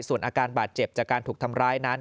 ส่วนอาการบาดเจ็บจากการถูกทำร้ายนั้น